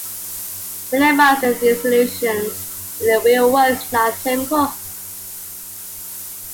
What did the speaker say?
Minimizing these illusions in the real world is not simple.